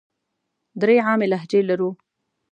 درې عامې لهجې لرو.